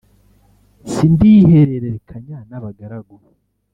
sindihererekanya n'abagaragu